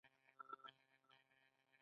دا جوتېږي چې صنعتي او بانکي پانګه یوځای کېږي